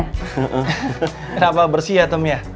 kenapa bersih ya tomm ya